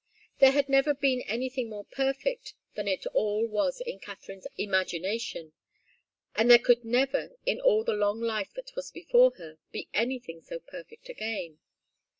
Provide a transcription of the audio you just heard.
There had never been anything more perfect than it all was in Katharine's imagination; and there could never, in all the long life that was before her, be anything so perfect again.